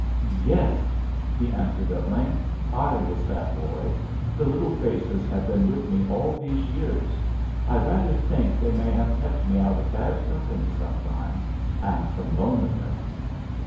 "Yes," he answered, at length. "I was that boy. The little faces have been with me all these years. I rather think they may have kept me out of bad company sometimes, and from loneliness."